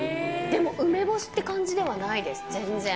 でも、梅干しって感じではないです、全然。